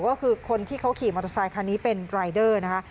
ก็คือคนที่เขาขี่มอเตอร์ไซคันนี้เป็นรายเดอร์นะคะ